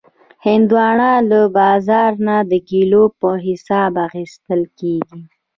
هندوانه له بازار نه د کیلو په حساب اخیستل کېږي.